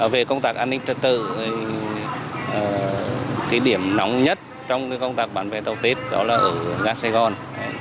về công tác an ninh trật tự cái điểm nóng nhất trong công tác bán vé tàu tết đó là ở ngã sài gòn